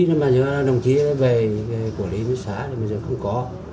nhưng mà nhớ đồng chí về quản lý với xã thì bây giờ không có